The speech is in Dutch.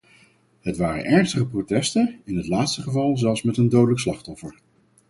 Het waren ernstige protesten, in het laatste geval zelfs met een dodelijk slachtoffer.